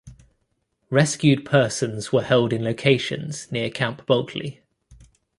Rescued persons were held in locations near Camp Bulkeley.